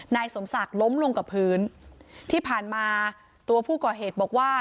นายสมศักดิ์ล้มลงกับพื้นที่ผ่านมาตัวผู้ก่อเหตุบอกว่า